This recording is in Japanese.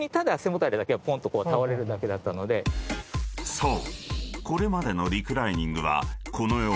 ［そう］